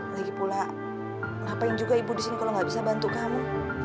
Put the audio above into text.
lagipula ngapain juga ibu disini kalau nggak bisa bantu kamu